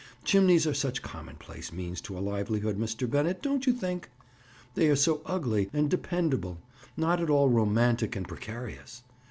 Chimneys are such commonplace means to a livelihood, Mr. Bennett, don't you think? They are so ugly and dependable. Not at all romantic and precarious!